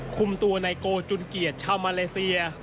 คุมตัวในโกลจุลเกียจชาวมาเลเซีย